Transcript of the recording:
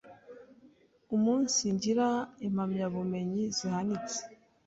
umunsigira impamyabumenyi zihanitse.